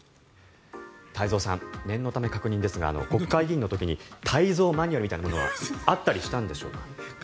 太蔵さん、念のため確認ですが国会議員の時に太蔵マニュアルみたいなものはあったりしたんでしょうか？